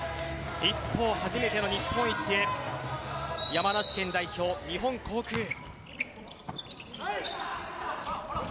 一方、初めての日本一へ山梨県代表・日本航空。